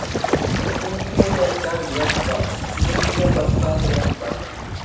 بىزنىڭكىگە كەلسەڭ يەپلا، سېنىڭكىگە بارسام گەپلا.